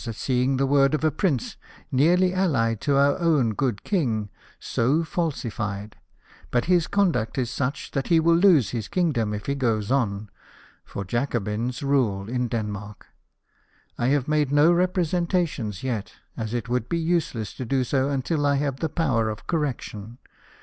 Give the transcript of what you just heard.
at seeing the word of a Prince, nearly allied to our good King,, so falsified ; but his conduct is such that he will lose his kingdom if he goes on, for Jacobins rule in Denmark. I have made no representations yet, as it would be useless to do so until I have the power of correction.